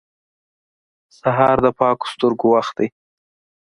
سهار د پاکو سترګو وخت دی.